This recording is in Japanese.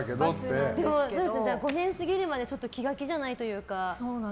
５年過ぎるまで気が気じゃないというか。